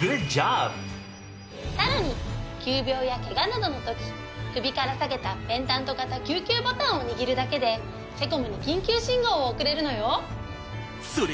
さらに急病やケガなどの時首から下げたペンダント型救急ボタンを握るだけでセコムに緊急信号を送れるのよ。